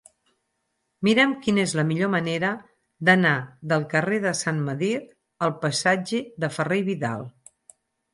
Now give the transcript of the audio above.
Mira'm quina és la millor manera d'anar del carrer de Sant Medir al passatge de Ferrer i Vidal.